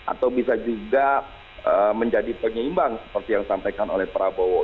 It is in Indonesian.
atau bisa juga menjadi penyeimbang seperti yang disampaikan oleh prabowo